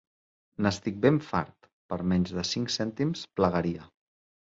N'estic ben fart: per menys de cinc cèntims plegaria!